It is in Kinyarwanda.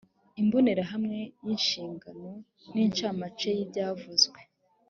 imbonerahamwe y’inshingano n’incamake y’ibyavuzwe